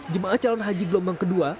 jemaah calon haji gelombang kedua